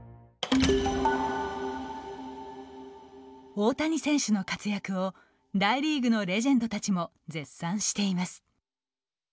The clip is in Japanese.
大谷選手の活躍を大リーグのレジェンドたちも絶賛しています。